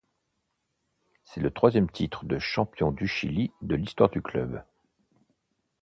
C'est le troisième titre de champion du Chili de l'histoire du club.